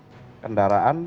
juga mengerahkan kendaraan mobil